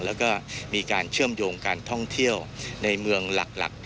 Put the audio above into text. แล้วก็มีการเชื่อมโยงการท่องเที่ยวในเมืองหลัก